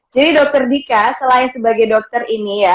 jadi dokter dika selain sebagai dokter ini ya